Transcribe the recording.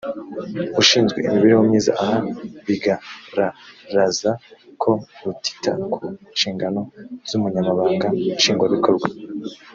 ushinzwe imibereho myiza aha bigararaza ko rutita ku nshingano z umunyamabanga nshingwabikorwa